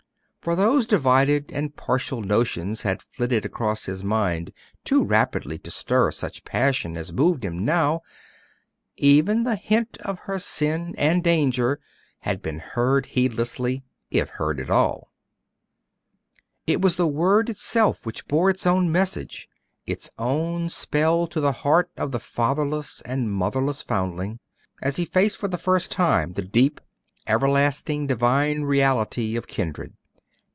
For those divided and partial notions had flitted across his mind too rapidly to stir such passion as moved him now; even the hint of her sin and danger had been heard heedlessly, if heard at all. It was the word itself which bore its own message, its own spell to the heart of the fatherless and motherless foundling, as he faced for the first time the deep, everlasting, divine reality of kindred....